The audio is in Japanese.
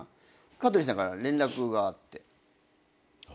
香取さんから連絡があって。